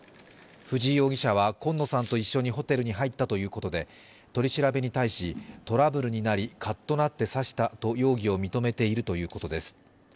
藤井容疑者は、今野さんと一緒にホテルに入ったということで取り調べに対し、トラブルになりかっとなって刺したと容疑を認めているということです。